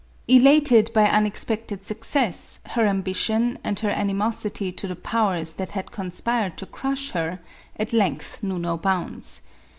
Elated by unexpected success, her ambition, and her animosity to the powers that had conspired to crush her, at length knew no bounds.